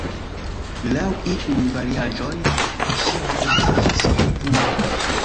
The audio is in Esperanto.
Laŭ iuj variaĵoj, ŝi geedziĝis kun hundo.